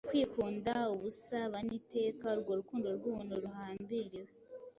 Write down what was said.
Kwikunda, ubusa, bane iteka, Urwo rukundo rwubuntu ruhambiriwe. '